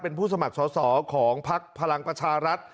เป็นผู้สมัครสอสอของพักพลังประชารัฐ